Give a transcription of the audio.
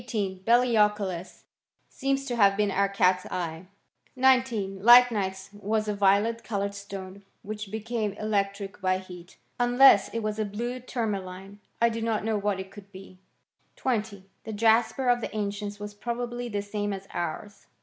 Belioculus seems to have been our catseye. . 19. Lychnites was a violet coloured stone, wkirfl became electric by heat. Unless it was a bhie lim^' maliny 1 do not know what it could be. .•: 20. The jasper of the ancients was probably As same as ours.